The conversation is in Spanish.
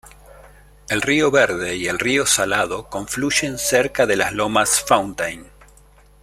El río Verde y el río Salado confluyen cerca de las lomas Fountain.